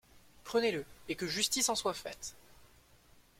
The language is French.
Prenez-le, et que justice en soit faite.